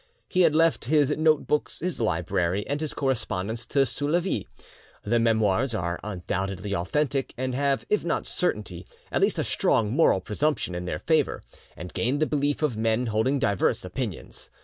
He had left his note books, his library, and his correspondence to Soulavie. The 'Memoires' are undoubtedly authentic, and have, if not certainty, at least a strong moral presumption in their favour, and gained the belief of men holding diverse opinions.